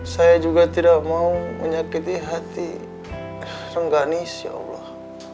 saya juga tidak mau menyakiti hati rongganis ya allah